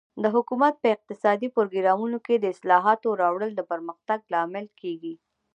د حکومت په اقتصادي پروګرامونو کې د اصلاحاتو راوړل د پرمختګ لامل کیږي.